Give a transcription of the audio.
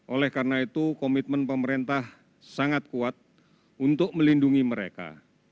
oleh karena itu komitmen pemerintah sangat kuat untuk melindungi mereka